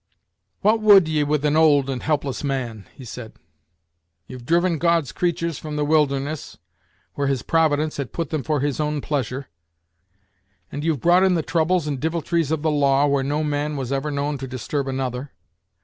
"What would ye with an old and helpless man?" he said, "You've driven God's creatur's from the wilderness, where His providence had put them for His own pleasure; and you've brought in the troubles and diviltries of the law, where no man was ever known to disturb another.